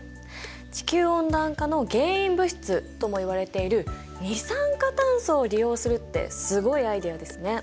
地球温暖化の原因物質ともいわれている二酸化炭素を利用するってすごいアイデアですね。